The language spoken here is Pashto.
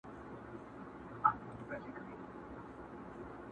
o چي په اخره کې مرداره نه کي پښتون نه دئ!